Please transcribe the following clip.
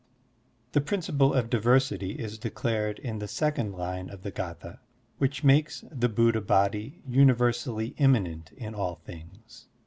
The principle of diversity is declared in the second line of the g^tha, which makes the Buddha Body universally immanent in all things.